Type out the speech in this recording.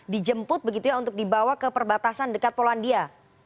dijemput begitu ya untuk dibawa ke perbatasan dekat polandia